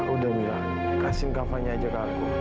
udah mila kasih kafa nyajak aku